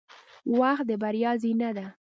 • وخت د بریا زینه ده.